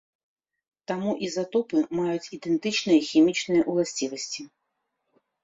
Таму, ізатопы маюць ідэнтычныя хімічныя ўласцівасці.